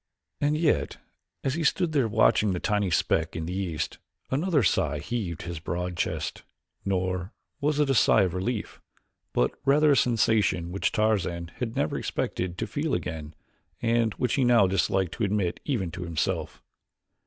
And yet, as he stood there watching the tiny speck in the east, another sigh heaved his broad chest, nor was it a sigh of relief, but rather a sensation which Tarzan had never expected to feel again and which he now disliked to admit even to himself.